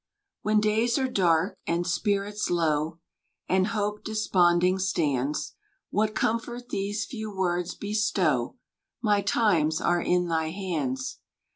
When days are dark and spirits low, And hope desponding stands, What comfort these few words bestow, "My times are in thy hands."